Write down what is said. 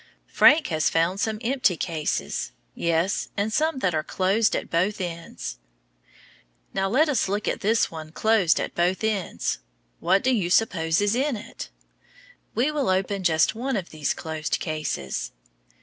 Frank has found some empty cases, yes, and some that are closed at both ends. Now, let us look at this one closed at both ends. What do you suppose is in it? We will open just one of these closed cases.